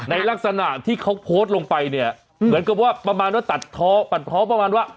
ในลักษณะที่เขาโพสต์ลงไปเนี่ยเหมือนกับว่าประมาณว่าตัดท้อปัดท้อประมาณว่า